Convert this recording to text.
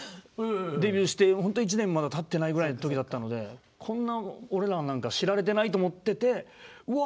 デビューしてほんと１年まだたってない時ぐらいだったのでこんな俺らなんか知られてないと思っててうわ